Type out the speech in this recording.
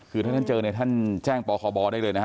คือถ้าท่านเจอเนี่ยท่านแจ้งปคบได้เลยนะฮะ